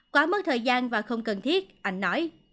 quá mất thời gian và không cần thiết anh nói